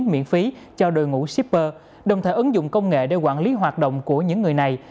miễn phí cho đội ngũ shipper đồng thời ứng dụng công nghệ để quản lý hoạt động của những người này